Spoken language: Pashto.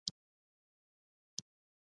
شیعه او سني مذهبي اختلافات بې اهمیته وبولي.